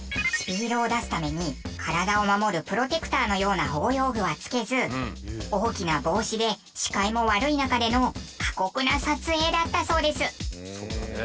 スピードを出すために体を守るプロテクターのような保護用具はつけず大きな帽子で視界も悪い中での過酷な撮影だったそうです。